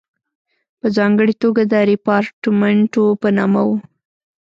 په ځانګړې توګه د ریپارټیمنټو په نامه وو.